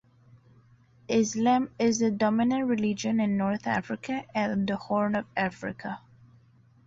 Islam is the dominant religion in North Africa and the Horn of Africa.